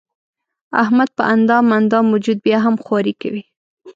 احمد په اندام اندام وجود بیا هم خواري کوي.